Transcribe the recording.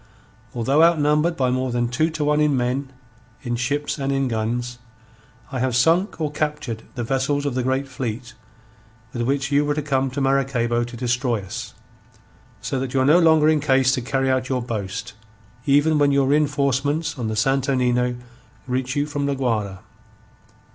"Although outnumbered by more than two to one in men, in ships, and in guns, I have sunk or captured the vessels of the great fleet with which you were to come to Maracaybo to destroy us. So that you are no longer in case to carry out your boast, even when your reenforcements on the Santo Nino, reach you from La Guayra.